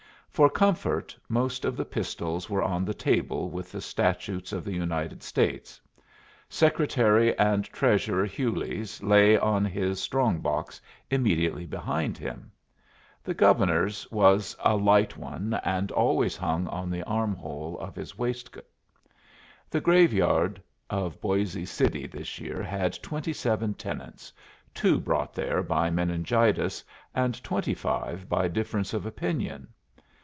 For comfort, most of the pistols were on the table with the Statutes of the United States. Secretary and Treasurer Hewley's lay on his strong box immediately behind him. The Governor's was a light one, and always hung in the arm hole of his waistcoat. The graveyard of Boisé City this year had twenty seven tenants, two brought there by meningitis, and twenty five by difference of opinion.